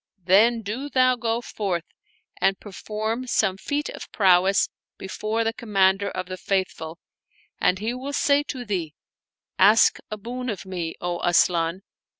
Then do thou go forth and perform some feat of prowess before the Commander of the Faithful, and he will say to thee: Ask a boon of me, O Asian!